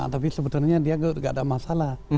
tapi sebetulnya dia tidak ada masalah